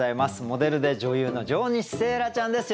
モデルで女優の上西星来ちゃんです。